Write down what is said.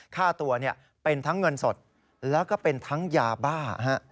ค่าตัวเป็นทั้งเงินสดแล้วก็เป็นทั้งยาบ้า